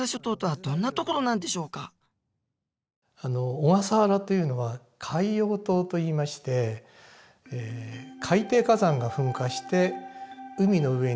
小笠原というのは海洋島といいまして海底火山が噴火して海の上に現れる。